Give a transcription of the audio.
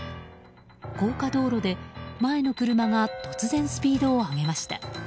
高架道路で前の車が突然、スピードを上げました。